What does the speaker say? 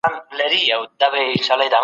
په څېړنه کې د مذهب او قوم پلوي مه کوئ.